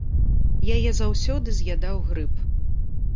Яе заўсёды з'ядаў грыб.